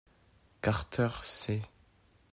Carter c.